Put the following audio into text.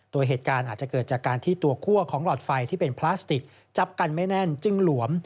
โดยเหตุการณ์อาจจะเกิดจากการที่ตัวคั่วของหลอดไฟที่เป็นพลาสติกจับกันไม่แน่นจึงหลวม